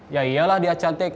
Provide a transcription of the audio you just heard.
ya iyalah dia cantik